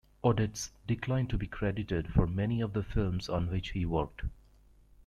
Odets declined to be credited for many of the films on which he worked.